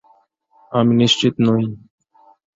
আমি নিশ্চিত নই।